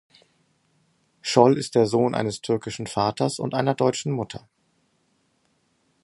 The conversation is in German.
Scholl ist der Sohn eines türkischen Vaters und einer deutschen Mutter.